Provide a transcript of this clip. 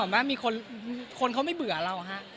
ว่ามีคนเขาไม่เบื่อเราฮะ